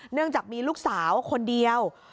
เนื่องจากมีลูกสาวคนเดียว